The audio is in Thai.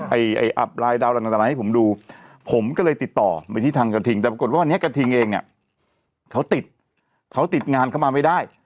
ไอ้อัพลายดาวต่างให้ผมดูผมก็เลยติดต่อไปที่ทางกระทิงแต่ปรากฏว่าวันนี้กระทิงเองเนี่ยเขาติดเขาติดงานเข้ามาไม่ได้